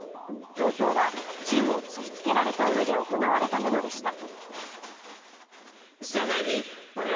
投票は銃を突きつけられたうえで行われたものでした。